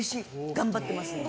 頑張ってます。